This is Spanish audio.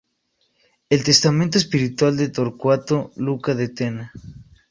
El testamento espiritual de Torcuato Luca de Tena".